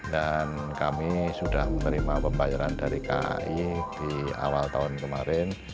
dan kami sudah menerima pembayaran dari kai di awal tahun kemarin